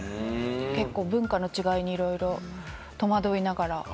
結構、文化の違いにいろいろ戸惑いながら。